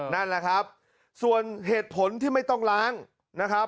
นั่นแหละครับส่วนเหตุผลที่ไม่ต้องล้างนะครับ